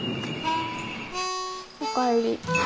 おかえり。